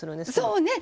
そうね